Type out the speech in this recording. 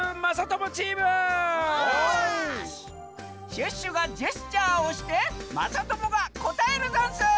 シュッシュがジェスチャーをしてまさともがこたえるざんす！